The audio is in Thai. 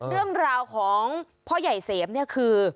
เรื่องราวของพ่อใหญ่เสมเนี่ยคือ